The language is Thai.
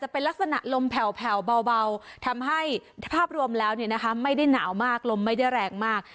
แผ่วแผ่วเบาทำให้ภาพรวมแล้วเนี่ยนะคะไม่ได้หนาวมากลมไม่ได้แรงมาก